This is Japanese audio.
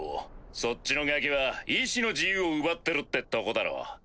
そっちのガキは意思の自由を奪ってるってとこだろ。